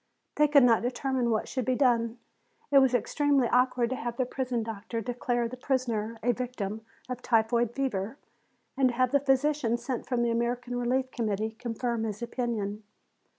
They could not determine what should be done. It was extremely awkward to have their prison doctor declare the prisoner a victim of typhoid fever, and to have the physician sent from the American Relief Committee confirm his opinion.